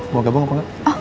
mau gabung apa gak